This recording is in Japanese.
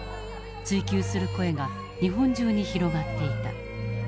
追及する声が日本中に広がっていた。